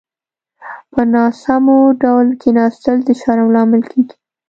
په ناسمو ډول کيناستل د شرم لامل کېږي.